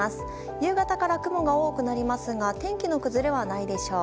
夕方から雲が多くなりますが天気の崩れはないでしょう。